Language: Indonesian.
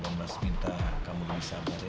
mas minta kamu gak sabar ya